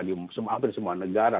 di hampir semua negara